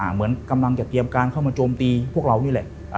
เหมือนกำลังจะเตรียมการเข้ามาโจมตีพวกเรานี่แหละ